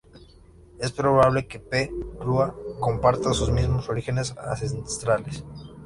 Es probable que "P. rua" comparta los mismos orígenes ancestrales.